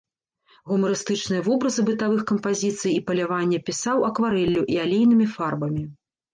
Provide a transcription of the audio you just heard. Гумарыстычныя вобразы бытавых кампазіцый і палявання пісаў акварэллю і алейнымі фарбамі.